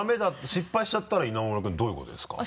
失敗しちゃったら稲村君どういうことですか？